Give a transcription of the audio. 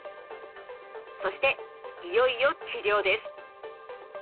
そしていよいよ治療です。